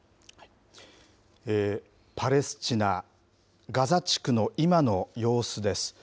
パレスチナ・ガザ地区の今の様子です。